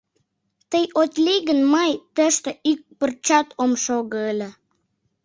Тый от лий гын, мый тыште ик пырчат ом шого ыле.